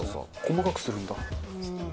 細かくするんだ。